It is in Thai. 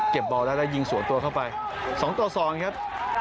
เก็บเบาได้แล้วยิงสวนตัวเข้าไป๒๒ครับ